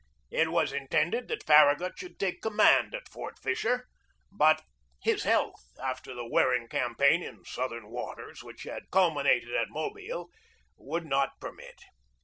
It was intended that Farragut should take command at Fort Fisher, but his health, after the wearing campaign in Southern waters which had culminated at Mobile, would not permit.